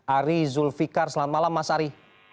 ari zulfikar selamat malam mas ari